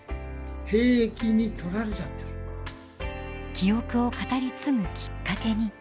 記憶を語り継ぐきっかけに。